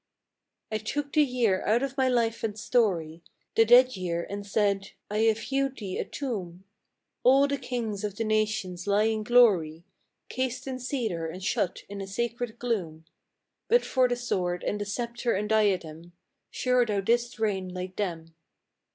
I took the year out of my life and story, The dead year, and said, " I have hewed thee a tomb ' All the kings of the nations lie in glory; ' Cased in cedar and shut in a sacred gloom: But for the sword, and the sceptre and diadem, Sure thou didst reign like them."